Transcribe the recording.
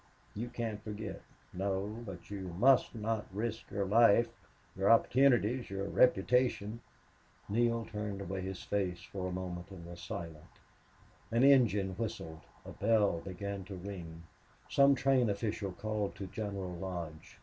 You can't forget no but you must not risk your life your opportunities your reputation." Neale turned away his face for a moment and was silent. An engine whistled; a bell began to ring; some train official called to General Lodge.